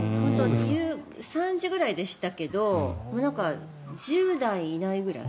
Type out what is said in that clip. ３時ぐらいでしたけど１０台いないぐらい。